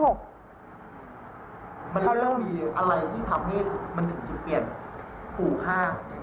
มันต้องการให้มีอะไรที่ทำให้มันถึงคืนเปลี่ยน